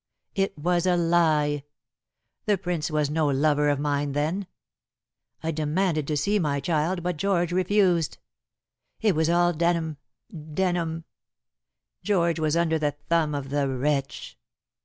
It was a lie. The Prince was no lover of mine then. I demanded to see my child, but George refused. It was all Denham Denham. George was under the thumb of the wretch.